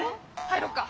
入ろうか。